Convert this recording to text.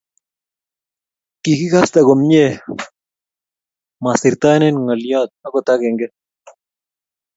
kikikaste komiei masirtaenech ngolyoo akot akenge